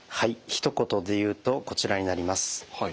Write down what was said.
ひと言で言うとこちらになります。